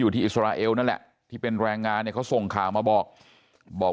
ที่อิสราเอลนั่นแหละที่เป็นแรงงานเนี่ยเขาส่งข่าวมาบอกบอก